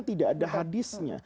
tidak ada hadisnya